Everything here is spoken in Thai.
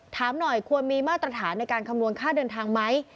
ถามหน่อยควรมีมาตรฐานในการคำนวณค่าเดินทางไหม